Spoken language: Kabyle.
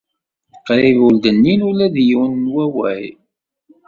Qrib ur d-nnin ula d yiwen n wawal.